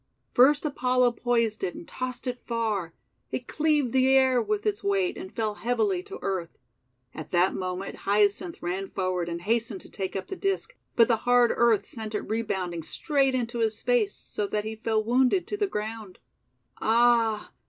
First Apollo poised it and tossed it far. It cleaved the air with its weight, and fell heavily to earth. At that moment Hyacinth ran for ward and hastened to take up the disc, but the hard earth sent it rebounding straight into his face, so that he fell wounded to the ground. Ah!